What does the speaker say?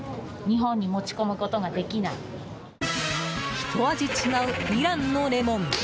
ひと味違うイランのレモン。